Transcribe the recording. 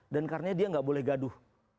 dan karena dia nggak boleh gaduh